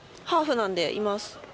ハーフなんでいます